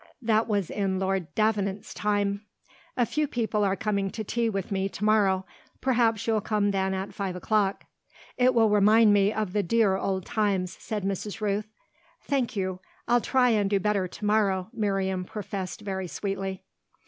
That was in Lord Davenant's time." "A few people are coming to tea with me to morrow. Perhaps you'll come then at five o'clock." "It will remind me of the dear old times," said Mrs. Rooth. "Thank you; I'll try and do better to morrow," Miriam professed very sweetly.